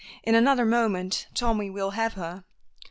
In another moment Tommy will have her.